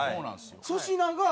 粗品が？